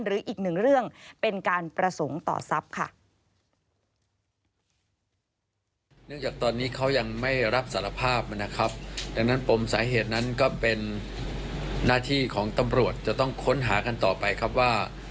หรืออีกหนึ่งเรื่องเป็นการประสงค์ต่อทรัพย์ค่ะ